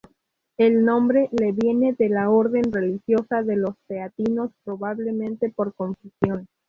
El nombre le viene de la orden religiosa de los Teatinos, probablemente por confusión.